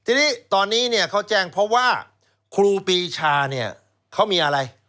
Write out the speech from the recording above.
ทีนี้ตอนนี้เนี่ยเขาแจ้งเพราะว่าครูปีชาเนี่ยเขามีอะไร